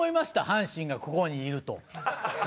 阪神がここにいると。